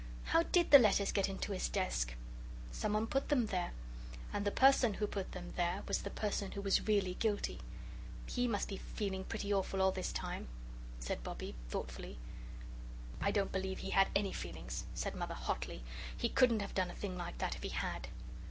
How did the letters get into his desk?" "Someone put them there. And the person who put them there was the person who was really guilty." "HE must be feeling pretty awful all this time," said Bobbie, thoughtfully. "I don't believe he had any feelings," Mother said hotly; "he couldn't have done a thing like that if he had."